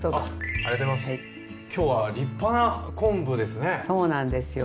今日は立派な昆布ですね。